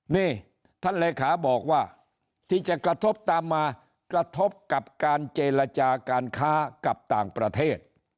นี่ท่านเลขาบอกว่าที่จะกระทบตามมากระทบกับการเจรจาการค้ากับต่างประเทศ